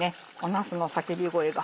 なすの叫び声が。